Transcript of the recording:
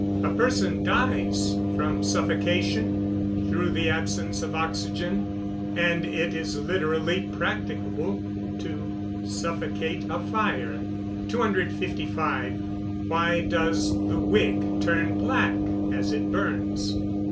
A person dies from "suffocation" through the absence of oxygen; and it is literally practicable to "suffocate" a fire. 255. _Why does the wick turn black as it burns?